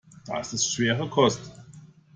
Das ist schwere Kost.